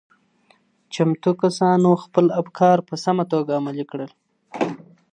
چمتو کسانو خپل افکار په سمه توګه عملي کړل.